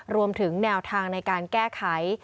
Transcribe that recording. รวมถึงแนวทางในการแก้ไข